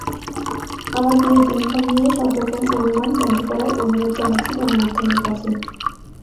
আমার বিয়ের দিনক্ষণ নিয়ে সবরকম অনুমান বন্ধ করার অনুরোধ জানাচ্ছি গণমাধ্যমের কাছে।